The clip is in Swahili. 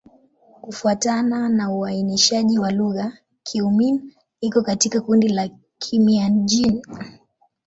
Kufuatana na uainishaji wa lugha, Kiiu-Mien iko katika kundi la Kimian-Jin.